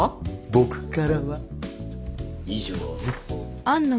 僕からは以上です。